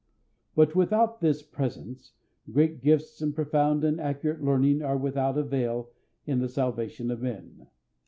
But without this Presence great gifts and profound and accurate learning are without avail in the salvation of men.